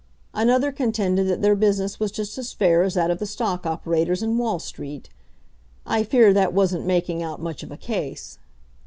Another contended that their business was just as fair as that of the stock operators in Wall street. I fear that wasn't making out much of a case.